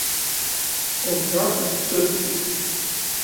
Убраҟа ицәырҵит.